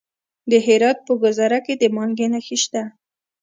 د هرات په ګذره کې د مالګې نښې شته.